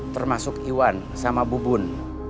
termasuk iwan sama bubun